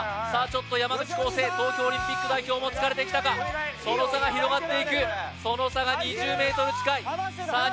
ちょっと山口浩勢東京オリンピック代表も疲れてきたかその差が広がっていくその差が２０ｍ近いさあ